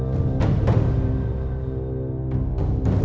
ที่สุดท้ายที่สุดท้าย